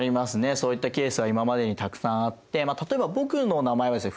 そういったケースは今までにたくさんあって例えば僕の名前はですね